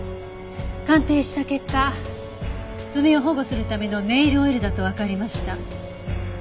鑑定した結果爪を保護するためのネイルオイルだとわかりました。